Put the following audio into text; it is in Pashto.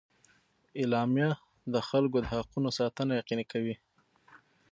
اعلامیه د خلکو د حقونو ساتنه یقیني کوي.